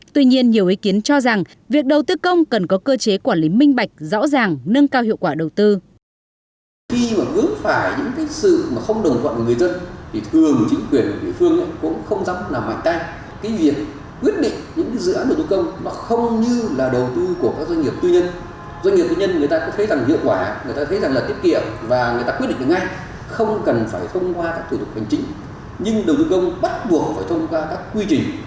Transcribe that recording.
tuy nhiên nhiều ý kiến cho rằng việc đầu tư công cần có cơ chế quản lý minh bạch rõ ràng nâng cao hiệu quả đầu tư